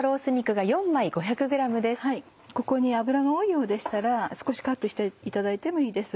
ここに脂が多いようでしたら少しカットしていただいてもいいです。